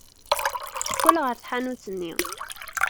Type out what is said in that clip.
Teqqel ɣer tḥanut-nni.